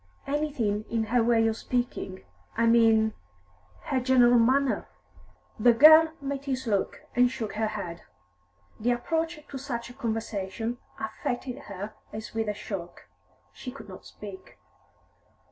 Anything in her way of speaking, I mean her general manner?" The girl met his look, and shook her head. The approach to such a conversation affected her as with a shock; she could not speak.